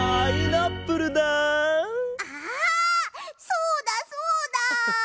そうだそうだ！